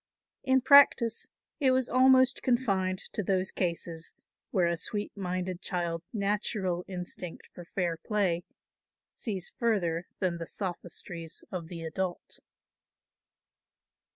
In practice it was almost confined to those cases where a sweet minded child's natural instinct for fair play sees further than the sophistries of the adult.